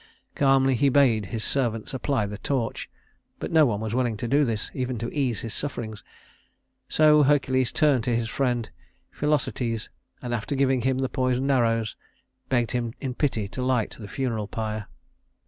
Calmly he bade his servants apply the torch, but no one was willing to do this, even to ease his sufferings; so Hercules turned to his friend Philoctetes, and after giving him the poisoned arrows, begged him in pity to light the funeral pyre.